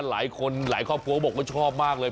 หลายคนหลายครอบครัวบอกว่าชอบมากเลย